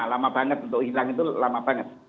lama banget untuk hilang itu lama banget